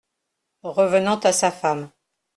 Revenant à sa femme.